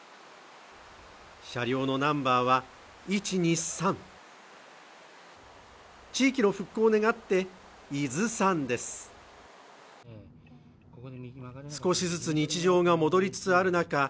車両のナンバーは１２３地域の復興を願って「伊・豆・山・づ・さん」です少しずつ日常が戻りつつある中